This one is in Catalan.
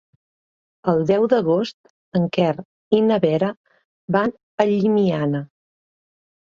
El deu d'agost en Quer i na Vera van a Llimiana.